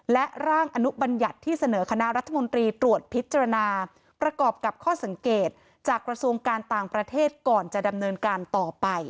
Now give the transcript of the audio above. และร่างอนุบัญญัติที่เสนอคณะรัฐมนตรีตรวจพิจารณาประกอบกับข้อสังเกตจากกระทรวงการต่างประเทศก่อนจะดำเนินการต่อไป